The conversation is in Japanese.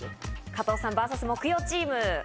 加藤さんｖｓ木曜チーム。